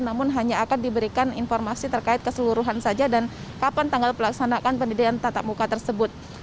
namun hanya akan diberikan informasi terkait keseluruhan saja dan kapan tanggal pelaksanaan pendidikan tatap muka tersebut